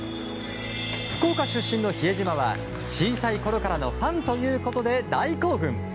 福岡出身の比江島は小さいころからのファンということで大興奮。